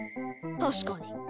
確かに。